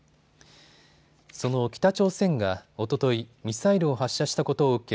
その北朝鮮がおととい、ミサイルを発射したことを受け